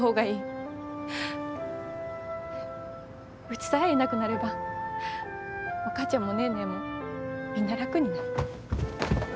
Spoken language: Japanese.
うちさえいなくなればお母ちゃんもネーネーもみんな楽になる。